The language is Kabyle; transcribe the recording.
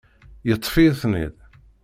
Yeṭṭef-iyi-ten-id.